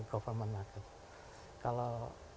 government lagi kalau